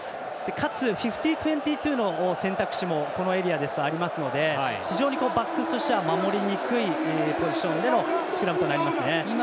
かつ５０：２２の選択肢もこのエリアですとありますのでバックスとしては守りにくいポジションでのスクラムとなりますね。